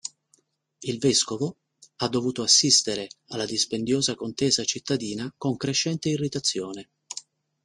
Il Vescovo ha dovuto assistere alla dispendiosa contesa cittadina con crescente irritazione.